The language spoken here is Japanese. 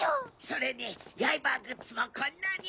それにヤイバーグッズもこんなに。